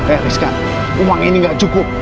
eh rizka uang ini gak cukup